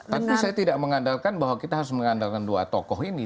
tapi saya tidak mengandalkan bahwa kita harus mengandalkan dua tokoh ini